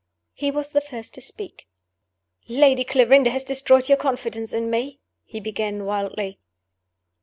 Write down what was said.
He was the first to speak. "Lady Clarinda has destroyed your confidence in me!" he began, wildly.